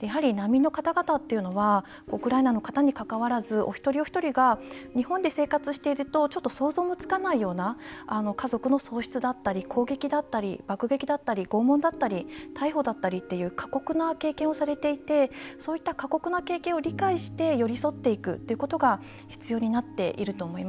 やはり難民の方々っていうのはウクライナの方にかかわらずお一人お一人が日本で生活しているとちょっと想像もつかないような家族の喪失だったり攻撃だったり爆撃だったり拷問だったり逮捕だったりっていう過酷な経験をされていてそういった過酷な経験を理解して寄り添っていくっていうことが必要になっていると思います。